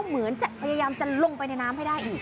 เหมือนจะพยายามจะลงไปในน้ำให้ได้อีก